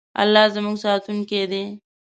الله زموږ ساتونکی دی.